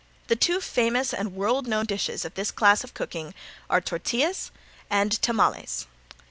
The two famous and world known dishes of this class of cooking are tortillas and tamales.